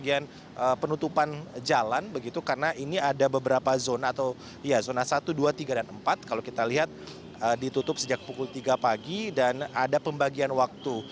kemudian penutupan jalan begitu karena ini ada beberapa zona atau zona satu dua tiga dan empat kalau kita lihat ditutup sejak pukul tiga pagi dan ada pembagian waktu